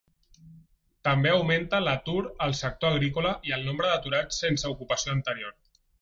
També augmenta l'atur al sector agrícola i el nombre d'aturats sense ocupació anterior.